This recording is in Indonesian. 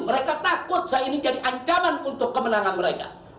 mereka takut saya ini jadi ancaman untuk kemenangan mereka